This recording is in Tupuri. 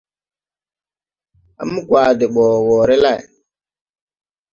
A mo gwaʼ de ɓɔ woore lay.